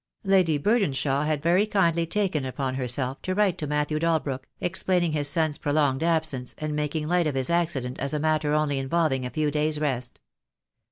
Lady Burdenshaw had very kindly taken upon herself to write to Matthew Dalbrook, explaining his son's pro longed absence, and making light of his accident as a matter only involving a few days' rest.